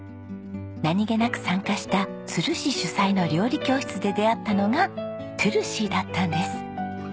何げなく参加した都留市主催の料理教室で出会ったのがトゥルシーだったんです。